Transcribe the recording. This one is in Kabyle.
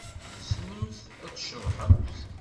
Tessnemt ad tceḍḥemt?